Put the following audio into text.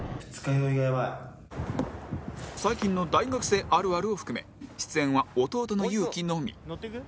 最近の大学生あるあるを含め出演は弟の有輝のみ